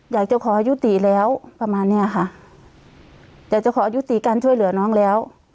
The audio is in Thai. อยากจะขอยุติแล้วประมาณเนี้ยค่ะอยากจะขอยุติการช่วยเหลือน้องแล้ว